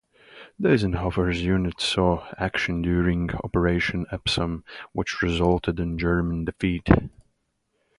Deisenhofer's unit saw action during Operation Epsom, which resulted in German defeat.